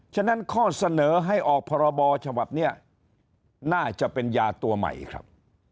ฉะนั้นข้อเสนอให้ออกพรบฉบับนี้น่าจะเป็นยาตัวใหม่ครับ